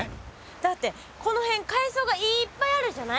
だってこの辺海藻がいっぱいあるじゃない。